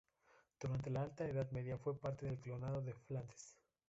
Durante la alta Edad Media fue parte del Condado de Flandes.